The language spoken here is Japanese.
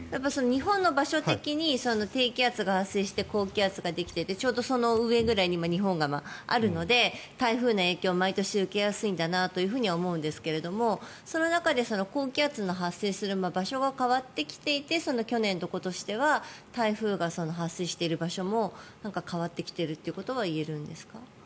日本の場所的に低気圧が発生して高気圧ができてちょうどその上ぐらいに日本があるので台風の影響を毎年受けやすいんだなと思うんですがその中で高気圧の発生する場所が変わってきていてその去年と今年では台風が発生している場所も変わってきているということはいえるんですか？